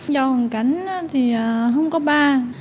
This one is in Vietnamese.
do hồng cánh thì không có ba